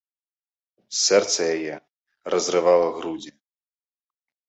Сэрца яе разрывала грудзі.